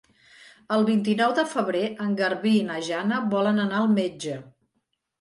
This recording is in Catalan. El vint-i-nou de febrer en Garbí i na Jana volen anar al metge.